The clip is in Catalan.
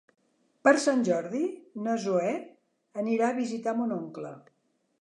Per Sant Jordi na Zoè anirà a visitar mon oncle.